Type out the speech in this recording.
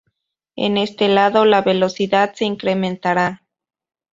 En este lado la velocidad se incrementará.